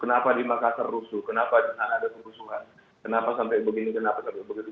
kenapa di makassar rusuh kenapa di sana ada kerusuhan kenapa sampai begini kenapa sampai begitu